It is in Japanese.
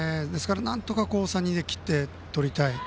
なんとか３人で切って取りたい。